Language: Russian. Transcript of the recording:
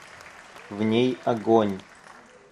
В ней огонь.